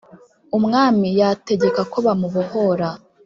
umwami yategeka ko bamubohora